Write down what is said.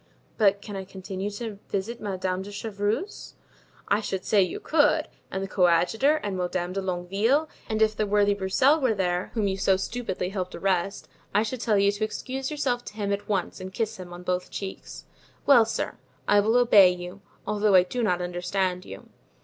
"But can I continue to visit Madame de Chevreuse?" "I should say you could! and the coadjutor and Madame de Longueville; and if the worthy Broussel were there, whom you so stupidly helped arrest, I should tell you to excuse yourself to him at once and kiss him on both cheeks." "Well, sir, I will obey you, although I do not understand you."